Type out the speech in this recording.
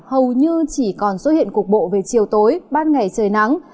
hầu như chỉ còn xuất hiện cục bộ về chiều tối ban ngày trời nắng